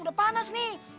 udah panas nih